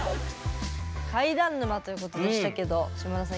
怪談沼ということでしたけど島田さん